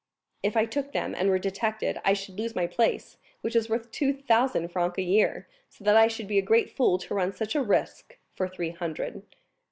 0120m "If I took them, and were detected, I should lose my place, which is worth two thousand francs a year; so that I should be a great fool to run such a risk for three hundred."